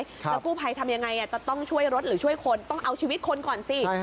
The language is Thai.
แล้วกู้ภัยทำยังไงจะต้องช่วยรถหรือช่วยคนต้องเอาชีวิตคนก่อนสิ